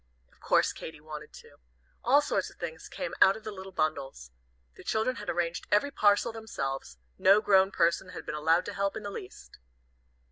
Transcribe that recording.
Of course Katy wanted to. All sorts of things came out of the little bundles. The children had arranged every parcel themselves. No grown person had been allowed to help in the least.